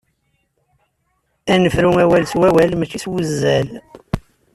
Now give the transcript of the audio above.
Ad nefru awal s wawal mačči s wuzzal.